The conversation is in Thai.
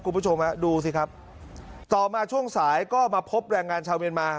คุณผู้ชมฮะดูสิครับต่อมาช่วงสายก็มาพบแรงงานชาวเมียนมา